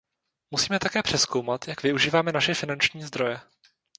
Musíme také přezkoumat, jak využíváme naše finanční zdroje.